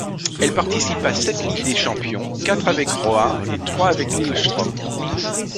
Elle participe à sept Ligue des champions, quatre avec Røa, trois avec Lillestrøm.